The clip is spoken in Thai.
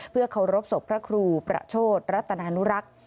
เพื่อเคารพศพพระครูประโชธรัตนานุรักษ์